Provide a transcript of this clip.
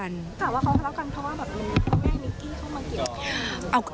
ถามว่าครอบครัวแล้วกันเขาว่าแบบง่ายนิกกี้เข้ามาเกี่ยวกัน